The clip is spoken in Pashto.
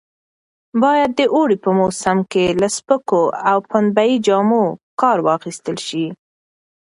باید د اوړي په موسم کې له سپکو او پنبې جامو کار واخیستل شي.